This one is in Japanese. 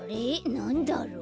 なんだろう？